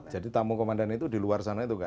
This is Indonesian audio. jadi tamu komandan itu di luar sana juga